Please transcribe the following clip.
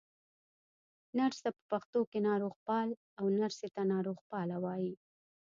نرس ته په پښتو کې ناروغپال، او نرسې ته ناروغپاله وايي.